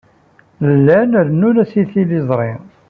Llan rennun-as i tliẓri.